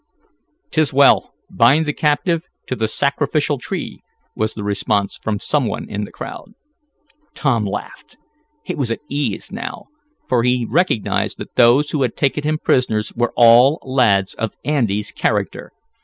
"'Tis well, bind the captive to the sacrificial tree," was the response from some one in the crowd. Tom laughed. He was at ease now, for he recognized that those who had taken him prisoner were all lads of Andy's character.